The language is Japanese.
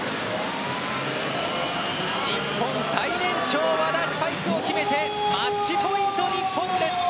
日本最年少の和田がスパイクを決めてマッチポイント、日本です！